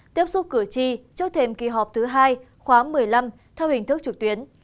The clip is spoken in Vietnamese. tiếp xúc cửa chi trước thềm kỳ họp thứ hai khóa một mươi năm theo hình thức trực tuyến